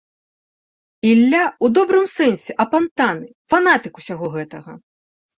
Ілля ў добрым сэнсе апантаны, фанатык усяго гэтага.